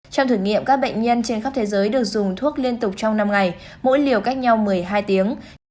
trong thử nghiệm các bệnh nhân trên khắp thế giới được dùng thuốc liên tục trong năm ngày mỗi liều cách nhau một mươi hai tiếng